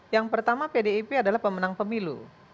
yang pertama pdip adalah pemenang pemilu